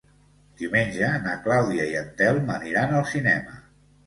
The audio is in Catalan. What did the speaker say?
Diumenge na Clàudia i en Telm aniran al cinema.